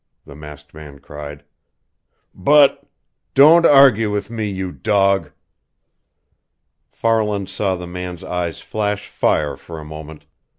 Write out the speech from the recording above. the masked man cried. "But " "Don't argue with me, you dog!" Farland saw the man's eyes flash fire for a moment.